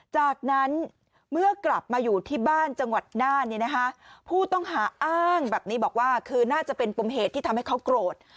จากนั้นเมื่อกลับมาอยู่ที่บ้านจังหวัดน่านผู้ต้องหาอ้างแบบนี้บอกว่าคือน่าจะเป็นปมเหตุที่ทำให้เขาโกรธ